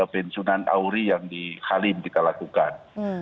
pensiunan auri yang di halim kita lakukan